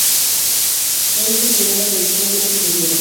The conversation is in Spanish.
Dey es el primero de los tres meses de invierno.